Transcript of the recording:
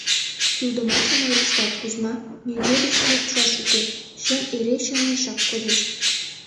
— Кӱлдымашым ойлыштат, Кузьма, нигӧ деч лудшаш уке, чын эре чынешак кодеш.